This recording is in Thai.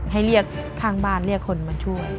ให้เรียกข้างบ้านเรียกคนมาช่วย